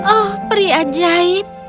oh peri ajaib